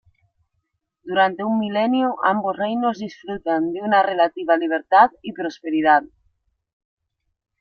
Durante un milenio ambos reinos disfrutan de una relativa libertad y prosperidad.